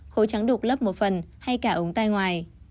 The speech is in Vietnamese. khối trắng đục lớp một phần hay cả ống tay ngoài